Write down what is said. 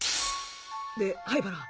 で灰原。